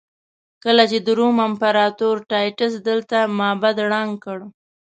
کله چې د روم امپراتور ټایټس دلته معبد ړنګ کړ.